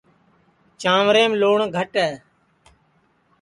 چانٚویم لُن گھٹ ہے